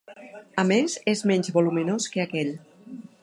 A més és menys voluminós que aquell.